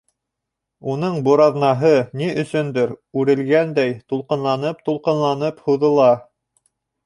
Уның бураҙнаһы, ни өсөндөр, үрелгәндәй, тулҡынланып-тулҡынланып һуҙыла.